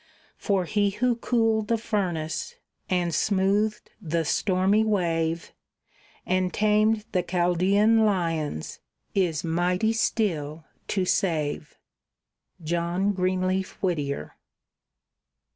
For He who cooled the furnace, and smoothed the stormy wave, And tamed the Chaldean lions, is mighty still to save! JOHN GREENLEAF WHITTIER.